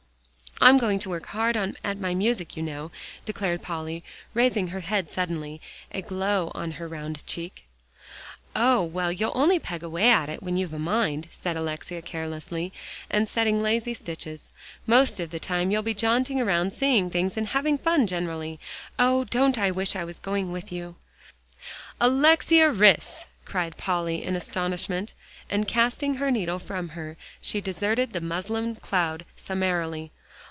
"I'm going to work hard at my music, you know," declared Polly, raising her head suddenly, a glow on her round cheek. "Oh! well, you'll only peg away at it when you've a mind," said Alexia carelessly, and setting lazy stitches. "Most of the time you'll be jaunting around, seeing things, and having fun generally. Oh! don't I wish I was going with you." "Alexia Rhys!" cried Polly in astonishment, and casting her needle from her, she deserted the muslin cloud summarily.